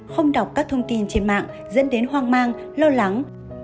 không đọc các thông tin trên mạng dẫn đến hoang mang lo lắng